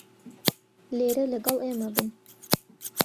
لێرە لەگەڵ ئێمە بن.